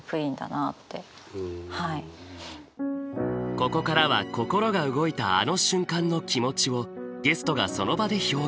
ここからは心が動いたあの瞬間の気持ちをゲストがその場で表現。